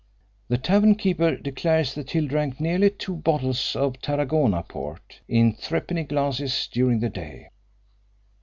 The tavern keeper declares that Hill drank nearly two bottles of Tarragona port, in threepenny glasses, during the day."